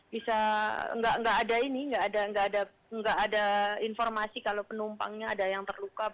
bisa nggak ada ini nggak ada informasi kalau penumpangnya ada yang terluka